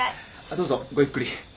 どうぞごゆっくり。